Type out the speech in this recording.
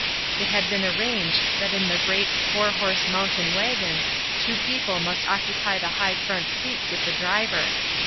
It had been arranged that in the great four horse mountain wagon two people must occupy the high front seat with the driver.